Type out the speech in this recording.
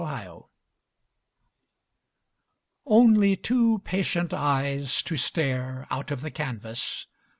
FADED PICTURES Only two patient eyes to stare Out of the canvas.